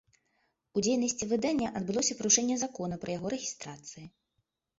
У дзейнасці выдання адбылося парушэнне закона пры яго рэгістрацыі.